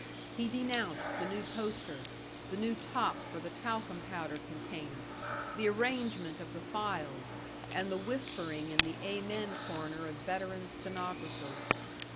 He denounced the new poster, the new top for the talcum powder container, the arrangement of the files, and the whispering in the amen corner of veteran stenographers.